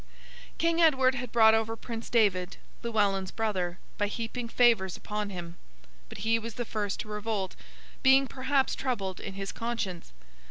King Edward had bought over Prince David, Llewellyn's brother, by heaping favours upon him; but he was the first to revolt, being perhaps troubled in his conscience.